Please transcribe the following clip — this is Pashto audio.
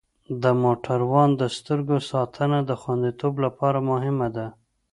د موټروان د سترګو ساتنه د خوندیتوب لپاره مهمه ده.